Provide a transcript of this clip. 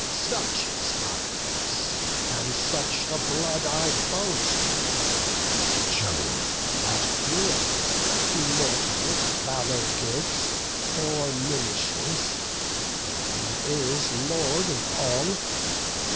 Such is my race, and such the blood I boast; But Jove, at will, to mortals valour gives Or minishes; for he is Lord of all.